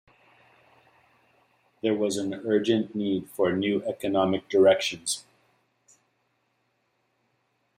There was an urgent need for new economic directions.